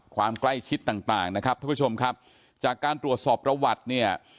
ความใกล้ชิดต่างต่างนะครับท่านผู้ชมครับจากการตรวจสอบประวัติเนี่ย